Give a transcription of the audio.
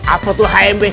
apa tuh hmb